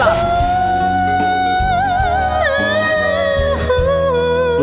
แกงวัยรุ่นสายพลัง